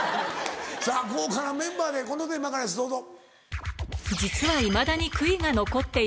さぁ豪華なメンバーでこのテーマからですどうぞ。